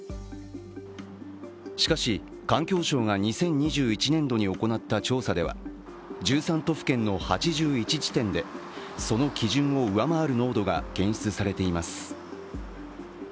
しかし、環境省が２０２１年度に行った調査では１３都府県の８１地点でその基準を上回る濃度が検出されています。